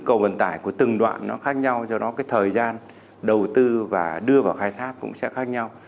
cầu vận tải của từng đoạn nó khác nhau do đó cái thời gian đầu tư và đưa vào khai thác cũng sẽ khác nhau